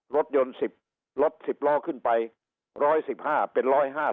รถยนต์๑๐รถ๑๐ล้อขึ้นไป๑๑๕เป็น๑๕๐